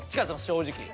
正直。